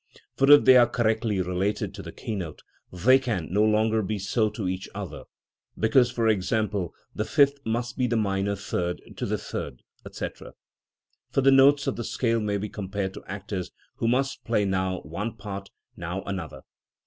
For if they are correctly related to the keynote, they can no longer be so to each other; because, for example, the fifth must be the minor third to the third, &c. For the notes of the scale may be compared to actors who must play now one part, now another.